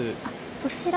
そちら